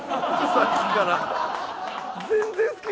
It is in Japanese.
さっきから。